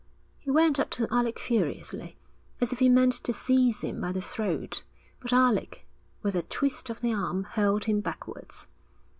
He went up to Alec furiously, as if he meant to seize him by the throat, but Alec, with a twist of the arm, hurled him backwards.